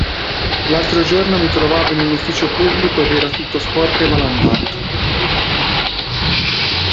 L'altro giorno mi trovavo in un ufficio pubblico ed era tutto sporco e malandato.